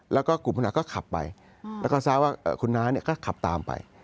แล้วก็กลุ่มคุณน้าก็ขับไปแล้วก็ทราบว่าคุณน้าก็ขับตามไป